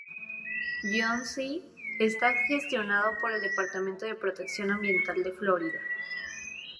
Johns y está gestionado por el departamento de protección ambiental de la Florida.